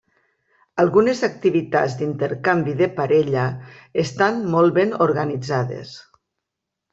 Algunes activitats d'intercanvi de parella estan molt ben organitzades.